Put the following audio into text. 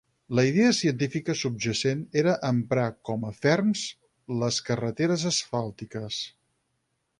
La idea científica subjacent era emprar com a ferms les carreteres asfàltiques.